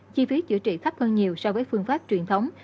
chi phí chữa trị thấp hơn nhiều so với phương pháp truyền thống